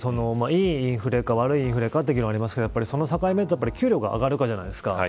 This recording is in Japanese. いいインフレか、悪いインフレかという議論もありますがその境目は給料が上がるからじゃないですか。